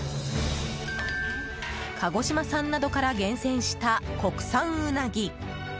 鹿児島産などから厳選した国産ウナギ。